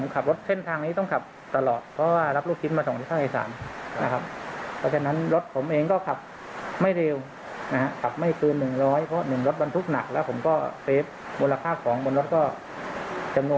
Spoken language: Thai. ค่ะคาวปากหน้า๒ตาคุณน่าจะขับช้า